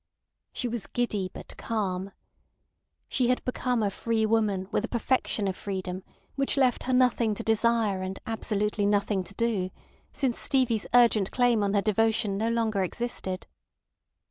She was giddy but calm. She had become a free woman with a perfection of freedom which left her nothing to desire and absolutely nothing to do, since Stevie's urgent claim on her devotion no longer existed.